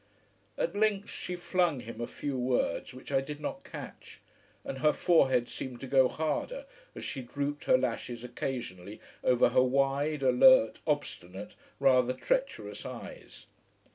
At length she flung him a few words which I did not catch and her forehead seemed to go harder, as she drooped her lashes occasionally over her wide, alert, obstinate, rather treacherous eyes.